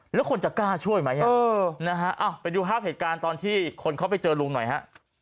แล้วคนจะกล้าช่วยไหมไปดูภาพเหตุการณ์ตอนที่คนเขาไปเจอลุงหน่อยฮะ